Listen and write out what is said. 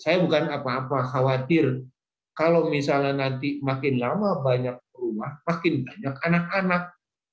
saya bukan apa apa khawatir kalau misalnya nanti makin lama banyak rumah makin banyak anak anak